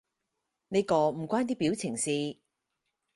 呢個唔關啲表情事